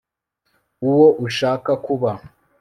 uwo ushaka kuba